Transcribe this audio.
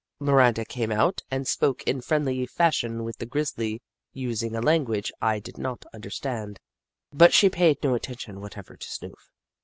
Miranda came out and spoke in friendly fashion with the grizzly, using a language I did not understand, but she paid no attention whatever to Snoof.